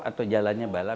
atau jalannya balap